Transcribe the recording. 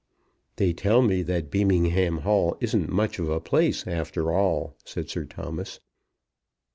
"They tell me that Beamingham Hall isn't much of a place after all," said Sir Thomas.